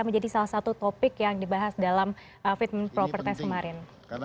menjadi salah satu topik yang dibahas dalam fit and proper test kemarin